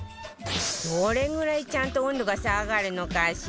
どれぐらいちゃんと温度が下がるのかしら？